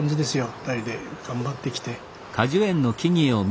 ２人で頑張ってきて。